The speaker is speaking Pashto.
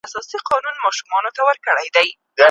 جام به مات صراحي تشه مګر ډک خُمونه هم سته